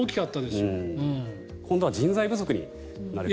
今度は人材不足になると。